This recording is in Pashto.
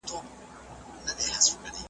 یوه ورځ خره ته لېوه ویله وروره ,